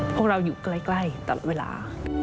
พวกเราอยู่ใกล้ตลอดเวลา